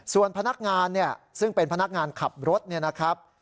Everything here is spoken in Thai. ส่วนพนักงานเนี่ยซึ่งเป็นพนักงานขับรถเนี่ยนะครับ